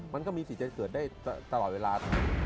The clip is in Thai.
มันก็มีสิทธิ์จะเกิดได้ตลอดเวลา